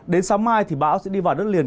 đến sáng mai thì bão sẽ đi vào đất liền